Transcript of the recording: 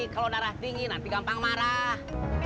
kalau darah dingin nanti gampang marah